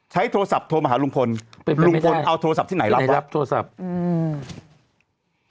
ใช้โทรศัพท์โทรมาหาลุงพลลุงพลเอาโทรศัพท์ที่ไหนรับรับโทรศัพท์อืม